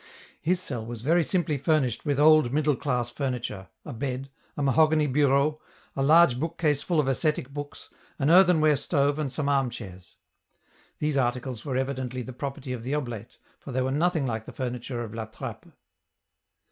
His cell was very simply furnished with old middle class furniture, a bed, a mahogany bureau, a large bookcase full of ascetic books, an earthenware stove and some arm chairs. These articles were evidently the property of the oblate, for they were nothing like the furniture of La Trappe.